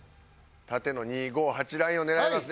縦の２５８ラインを狙います。